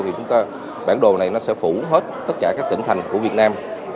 thì bản đồ này nó sẽ phủ hết tất cả các tỉnh thành của việt nam